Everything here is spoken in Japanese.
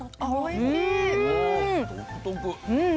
独特。